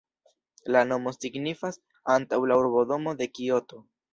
La nomo signifas "antaŭ la urbodomo de Kioto".